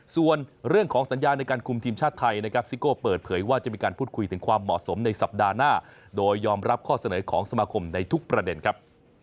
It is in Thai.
ส่วนเรื่องของสัญญาในการคุมทีมชาติไทยนะครับซิโก้เปิดเผยว่าจะมีการพูดคุยถึงความเหมาะสมในสัปดาห์หน้าโดยยอมรับข้อเสนอของสมาคมในทุกประเด็นครับ